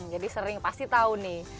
jadi sering pasti tahu nih